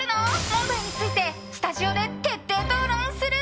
問題についてスタジオで徹底討論する。